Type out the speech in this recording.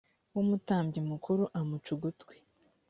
w umutambyi mukuru amuca ugutwi